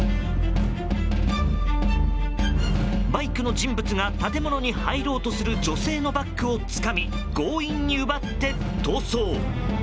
バイクの人物が建物に入ろうとする女性のバッグをつかみ強引に奪って逃走。